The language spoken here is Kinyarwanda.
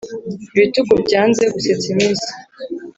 Ibitugu byanze gusetsa iminsi,